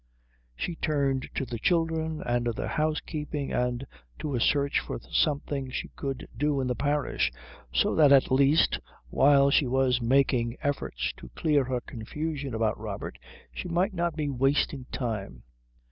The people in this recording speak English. She turned to the children and the housekeeping and to a search for something she could do in the parish, so that at least while she was making efforts to clear her confusion about Robert she might not be wasting time.